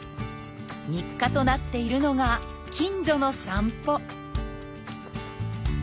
日課となっているのが近所の散歩